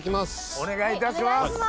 お願いいたします。